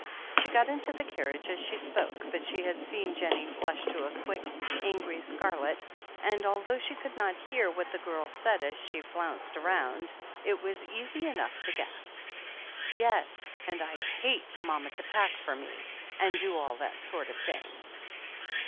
She got into the carriage as she spoke, but she had seen Jennie flush to a quick, angry scarlet, and although she could not hear what the girl said as she flounced roimd, it was easy enough to guess. "Yes, and I hate mama to pack for me, and do all that sort of thing